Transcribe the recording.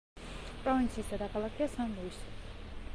პროვინციის დედაქალაქია სან-ლუისი.